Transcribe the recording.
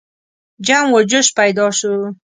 جم و جوش پیدا شو.